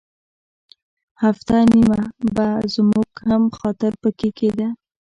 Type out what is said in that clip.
هفته نیمه به زموږ هم خاطر په کې کېده.